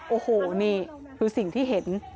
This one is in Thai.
โอ้โหนี่คือสิ่งที่เห็น